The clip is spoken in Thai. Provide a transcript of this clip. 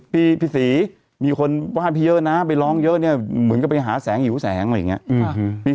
พี่สีมีคนว่าเพี้ยงน้ำไปร้องเยอะเนี่ยเหมือนก็ไปหาแสงอยู่แสงอะไรอย่างนี้